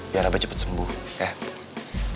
biar abah cepet sembuh ya